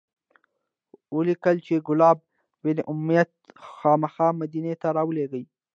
ولیکل چې کلاب بن امیة خامخا مدینې ته راولیږه.